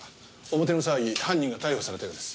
表の騒ぎ犯人が逮捕されたようです。